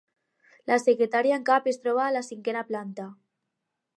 La secretaria en cap es troba a la cinquena planta.